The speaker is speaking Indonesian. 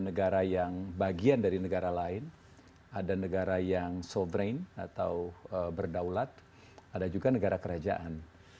negara yang bagian dari negara lain ada negara yang sovereign atau berdaulat ada juga negara kerajaan